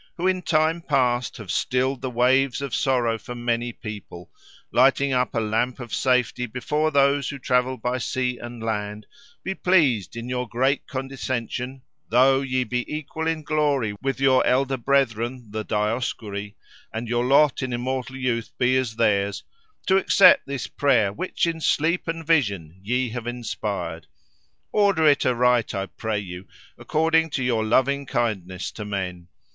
who in time past have stilled the waves of sorrow for many people, lighting up a lamp of safety before those who travel by sea and land, be pleased, in your great condescension, though ye be equal in glory with your elder brethren the Dioscuri, and your lot in immortal youth be as theirs, to accept this prayer, which in sleep and vision ye have inspired. Order it aright, I pray you, according to your loving kindness to men.